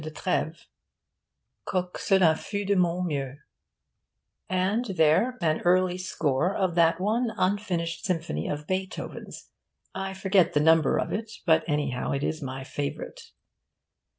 de Treves 'quoque cela fut de mon mieux'; and there an early score of that one unfinished Symphony of Beethoven's I forget the number of it, but anyhow it is my favourite.